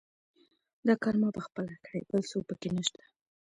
دا کار ما پخپله کړی، بل څوک پکې نشته.